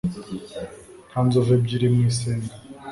nta nzovu ebyiri mu isenga